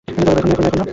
এখন না, এখন না।